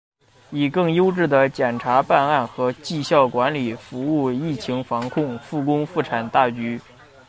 以更优的检察办案和绩效管理服务疫情防控、复工复产大局